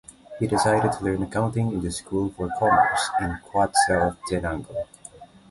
He decided to learn accounting in the School for Commerce in Quetzaltenango.